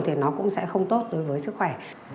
thì nó cũng sẽ không tốt đối với sức khỏe